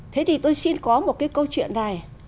thế thì tôi xin có một cái câu chuyện này